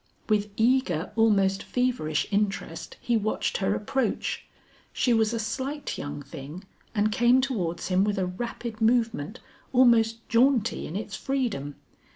With eager, almost feverish interest he watched her approach. She was a slight young thing and came towards him with a rapid movement almost jaunty in its freedom.